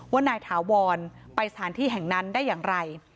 ว่านายถาวรไปสถานที่แห่งนั้นได้อย่างไร